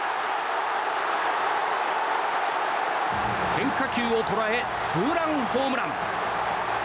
変化球を捉えツーランホームラン！